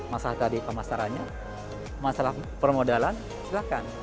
masalah tadi pemasarannya masalah permodalan silahkan